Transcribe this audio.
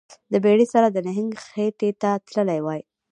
د بیړۍ سره د نهنګ خیټې ته تللی وای